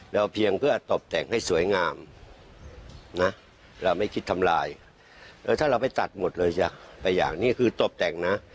เพียงเพื่อตบแต่งให้สวยงามนะเราไม่คิดทำลายเออถ้าเราไปตัดหมดเลยจ้ะไปอย่างนี้คือตบแต่งนะ